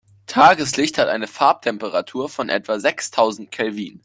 Tageslicht hat eine Farbtemperatur von etwa sechstausend Kelvin.